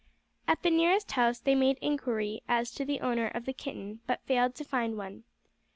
At the nearest house they made inquiry as to the owner of the kitten, but failed to find one.